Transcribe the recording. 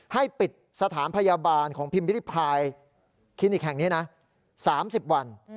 ให้ปิดสถานพยาบาลของพิมพิริพายคลินิกแห่งนี้นะ๓๐วัน